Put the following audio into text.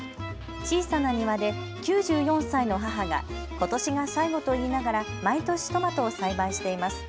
小さな庭で９４歳の母がことしが最後と言いながら毎年トマトを栽培しています。